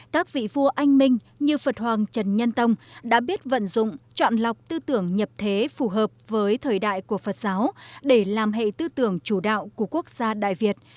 các vị vua anh minh như phật hoàng trần nhân tông đã biết vận dụng chọn lọc tư tưởng nhập thế phù hợp với thời đại của phật giáo để làm hệ tư tưởng chủ đạo của quốc gia đại việt